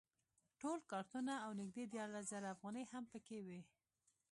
ټول کارتونه او نږدې دیارلس زره افغانۍ هم په کې وې.